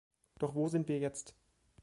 Doch wo sind wir jetzt?